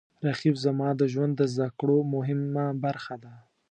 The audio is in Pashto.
رقیب زما د ژوند د زده کړو مهمه برخه ده